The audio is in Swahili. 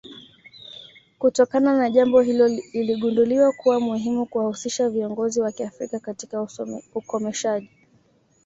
Kutokana na jambo hilo iligunduliwa kuwa muhimu kuwahusisha viongozi wa Kiafrika katika ukomeshaji